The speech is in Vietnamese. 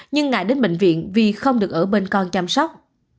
nhưng ngại đến bệnh viện vì không được ở bên con chăm sóc